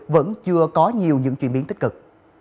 vẫn chưa có nhiều những chuyển biến tích cực